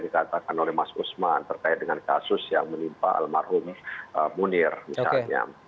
terkait dengan kasus yang menimpa almarhum munir misalnya